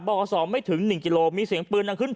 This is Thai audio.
๒ไม่ถึง๑กิโลมีเสียงปืนดังขึ้น